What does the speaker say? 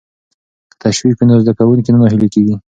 که تشویق وي نو زده کوونکی نه ناهیلی کیږي.